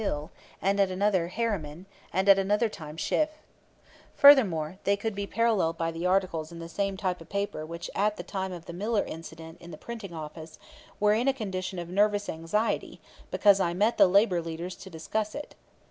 Hill, and at another, Harriman, and at another time Schiff. Furthermore, they could be paralleled by the articles in the same type of paper which at the time of the Miller incident in the Printing Office were in a condition of nervous anxiety because I met the labor leaders to discuss it.